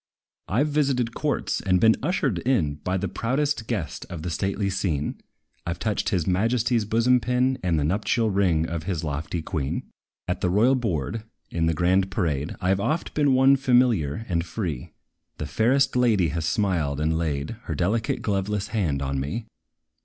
I 've visited courts, and been ushered in By the proudest guest of the stately scene; I 've touched his majesty's bosom pin, And the nuptial ring of his lofty queen. At the royal board, in the grand parade, I 've oft been one familiar and free: The fairest lady has smiled, and laid Her delicate, gloveless hand on me.